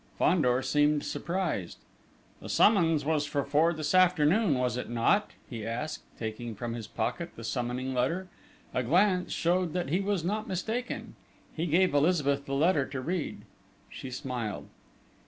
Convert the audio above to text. Fandor seemed surprised. "The summons was for four this afternoon, was it not?" he asked, taking from his pocket the summoning letter. A glance showed that he was not mistaken: he gave Elizabeth the letter to read. She smiled.